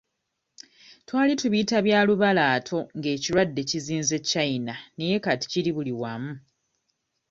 Twali tubiyita bya lubalaato nga ekirwadde kizinze China naye kati kiri buli wamu.